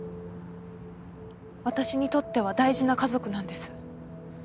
私にとっては大事な家族なんです。